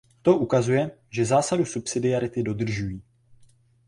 To ukazuje, že zásadu subsidiarity dodržují.